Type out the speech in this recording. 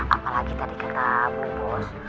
apalagi tadi kata bu bos